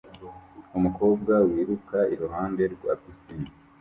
Umukobwa wiruka iruhande rwa pisine